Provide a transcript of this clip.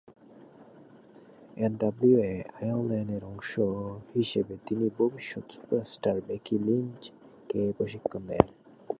NWA Ireland এর অংশ হিসেবে তিনি ভবিষ্যৎ সুপারস্টার বেকি লিঞ্চ কে প্রশিক্ষণ দেন।